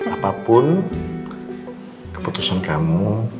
apapun keputusan kamu